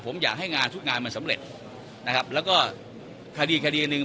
ผมอยากให้งานทุกงานมันสำเร็จนะครับแล้วก็คดีคดีหนึ่ง